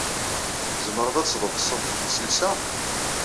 Tzemreḍ ad tḍefseḍ iselsa?